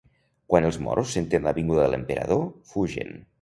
Quan els moros senten la vinguda de l'emperador, fugen.